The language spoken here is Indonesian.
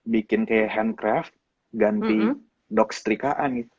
bikin kayak handcraft ganti dok setrikaan gitu